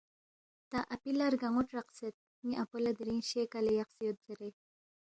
تا اپی لہ رگن٘و ترَقسید، ن٘ی اپو لہ دِرِنگ شے کلے یقسے یود زیرے